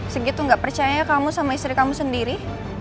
segitu gak percaya kamu sama istri kamu sendiri